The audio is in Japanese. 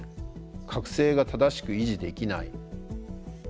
覚醒が正しく維持できない。